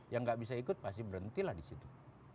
yang gak bisa ikut pasti berhentilah di situ